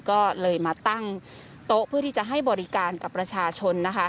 ก็เลยมาตั้งโต๊ะเพื่อที่จะให้บริการกับประชาชนนะคะ